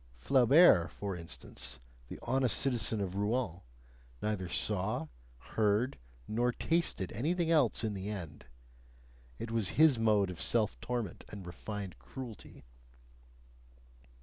Flaubert, for instance, the honest citizen of Rouen, neither saw, heard, nor tasted anything else in the end; it was his mode of self torment and refined cruelty.